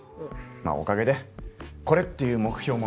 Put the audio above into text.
まあおかげでこれっていう目標も見つかったし。